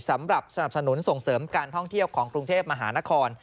สนับสนุนส่งเสริมการท่องเที่ยวของกรุงเทพมหานคร